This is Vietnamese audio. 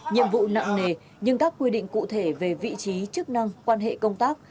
nhiệm vụ nặng nề nhưng các quy định cụ thể về vị trí chức năng quan hệ công tác